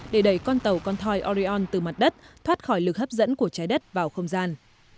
để đẩy con tàu con thoi oreon từ mặt đất thoát khỏi lực hấp dẫn của trái đất vào không gian